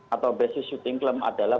atau basis shooting club adalah